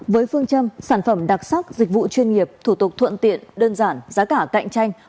với phương châm sản phẩm đặc sắc dịch vụ chuyên nghiệp thủ tục thuận tiện đơn giản giá cả cạnh tranh